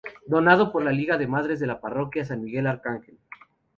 Donado por la Liga de Madres de la Parroquia San Miguel Arcángel.